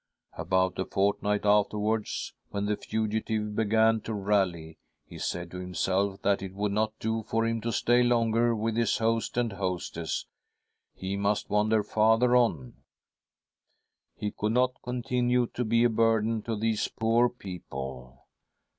" About a fortnight afterwards, when the fugitive began to rally, he said to himself that it would not do for him to stay longer with his host and hostess— he must wander farther on. He could not continue to be a burden to these poor people.